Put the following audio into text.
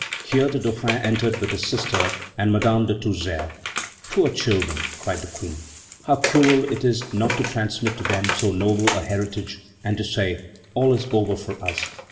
Here the Dauphin entered with his sister and Madame de Tourzel. "Poor children!" cried the Queen. "How cruel it is not to transmit to them so noble a heritage, and to say: All is over for us!"